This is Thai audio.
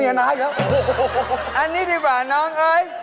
อันนี้ดีกว่าน้องเอ้ย